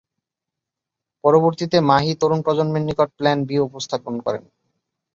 পরবর্তীতে মাহি তরুণ প্রজন্মের নিকট প্ল্যান বি উপস্থাপন করেন।